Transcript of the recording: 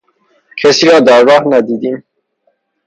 کسی را در راه ندیدیم.